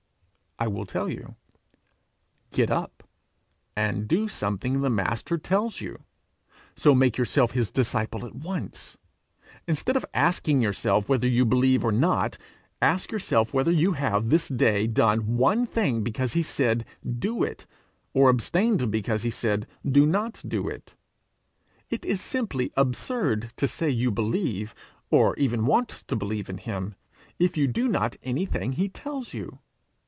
I will tell you: Get up, and do something the master tells you; so make yourself his disciple at once. Instead of asking yourself whether you believe or not, ask yourself whether you have this day done one thing because he said, Do it, or once abstained because he said, Do not do it. It is simply absurd to say you believe, or even want to believe in him, if you do not anything he tells you.